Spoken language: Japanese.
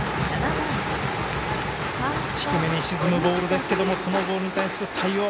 低めに沈むボールですがそのボールに対する対応。